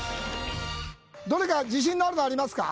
どれか自信があるのありますか？